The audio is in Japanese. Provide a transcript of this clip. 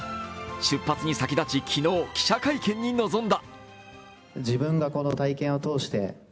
出発に先立ち、昨日、記者会見に臨んだ。